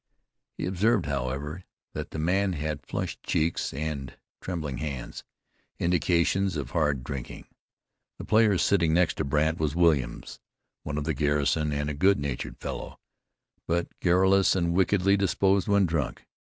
He observed, however, that the man had flushed cheeks and trembling hands, indications of hard drinking. The player sitting next to Brandt was Williams, one of the garrison, and a good natured fellow, but garrulous and wickedly disposed when drunk.